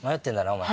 お前。